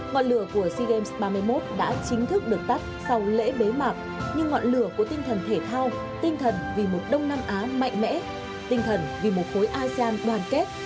ngọn lửa của sea games ba mươi một đã chính thức được tắt sau lễ bế mạc như ngọn lửa của tinh thần thể thao tinh thần vì một đông nam á mạnh mẽ tinh thần vì một khối asean đoàn kết